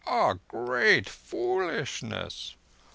"A great foolishness!"